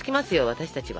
私たちは。